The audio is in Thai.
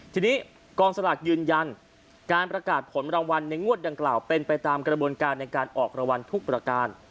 ทีนี้กองสลากยืนยันการประกาศผลรางวัลในงวดดังกล่าวเป็นไปตามกระบวนการในการออกรางวัลทุกประการ